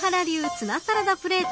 ツナサラダプレート